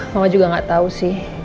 mama juga gak tau sih